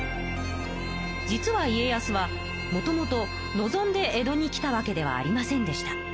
実は家康はもともと望んで江戸に来たわけではありませんでした。